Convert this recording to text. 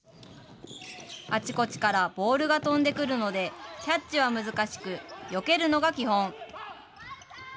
あちこちからボールが飛んでくるので、キャッチは難しく、よけるのが基本。